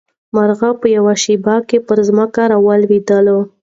مرغۍ په یوه شېبه کې پر ځمکه راولوېده.